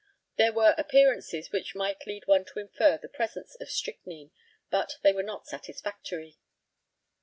There were appearances which might lead one to infer the presence of strychnine, but they were not satisfactory.